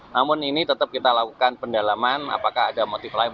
namun ini tetap kita lakukan pendalaman apakah ada motif lain